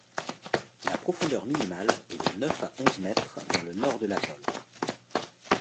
La profondeur minimale est de neuf à onze mètres dans le nord de l'atoll.